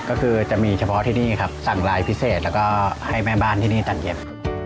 ก็คือจะมีเฉพาะที่นี่ครับสั่งลายพิเศษแล้วก็ให้แม่บ้านที่นี่ตัดเย็บ